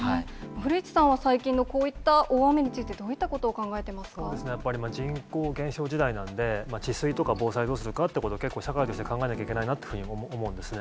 古市さんは最近のこういった大雨についてどういったことを考えてやっぱり人口減少時代なんで、治水とか防災どうするかっていうことは、結構、社会として考えなくちゃいけないなと思うんですね。